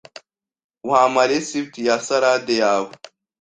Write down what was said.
Wampa resept ya salade yawe?